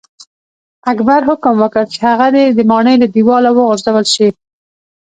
اکبر حکم وکړ چې هغه دې د ماڼۍ له دیواله وغورځول شي.